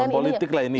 tahun politik lah ini ya